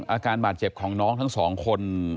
อาการบาดเจ็บของน้องทั้งสองคน